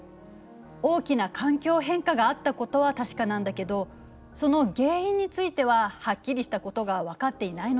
大きな環境変化があったことは確かなんだけどその原因についてははっきりしたことが分かっていないのよね。